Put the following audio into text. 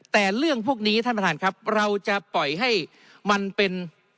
แต่เรื่องพวกนี้ท่านประธานครับเราจะปล่อยให้มันเป็น